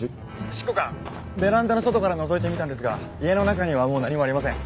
執行官ベランダの外からのぞいてみたんですが家の中にはもう何もありません。